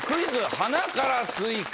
鼻からスイカ』。